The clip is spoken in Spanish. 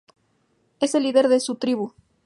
Es el líder de su tribu.